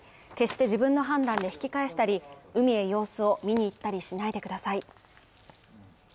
決して自分の判断で引き返したり、海へ様子を見に行ったりしないでください。